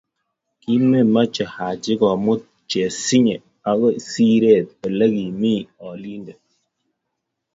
Kimimoche Haji komut chesinye okoi sire ole kimii alinte